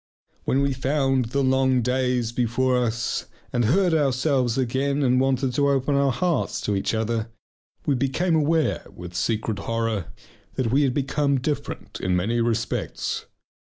When we found the long days before us and heard ourselves again and wanted to open our hearts to each other, we became aware with secret horror that we had become different in many respects.